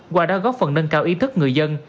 qua đó góp phần nâng cao ý thức người dân